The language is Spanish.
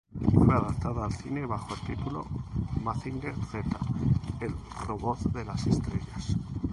Fue adaptada al cine bajo el título "Mazinger Z, el robot de las estrellas".